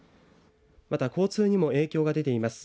また交通にも影響が出ています。